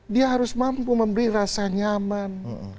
dia harus mampu memberi rasa nyaman